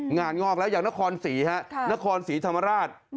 งอกแล้วอย่างนครศรีฮะนครศรีธรรมราช